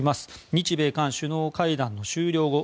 日米韓首脳会談の終了後